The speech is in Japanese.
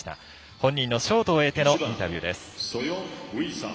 本人のショートを終えてのインタビューです。